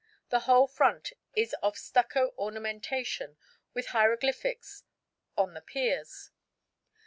The whole front is of stucco ornamentation with hieroglyphics on the piers.